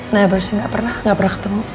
nah berarti nggak pernah ketemu